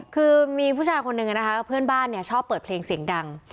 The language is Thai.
คือมีผู้ชายคนหนึ่งนะคะเพื่อนบ้านชอบเปิดเพลงเสียงดัง